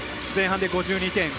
前半で５２点。